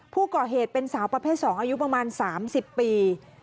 ผู้ก่อเหตุเป็นสาวประเภท๒อายุประมาณ๓๐ปี